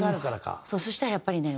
そしたらやっぱりね